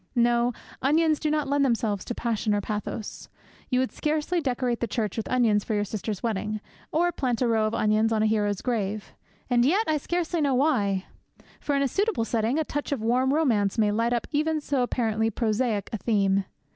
No, onions do not lend themselves to passion or to pathos. You would scarcely decorate the church with onions for your sister's wedding, or plant a row of onions on a hero's grave. And yet I scarcely know why. For, in a suitable setting, a touch of warm romance may light up even so apparently prosaic a theme.